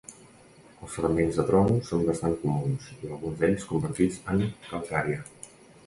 Els fragments de troncs són bastant comuns, i alguns d'ells convertits en calcària.